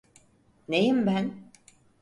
Neyim ben?